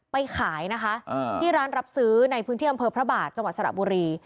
ไปขายนะคะที่ร้านรับซื้อในพื้นที่อำเภอพระบาทจังหวัดสระบุรี